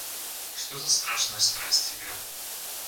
Что за страшная страсть — игра!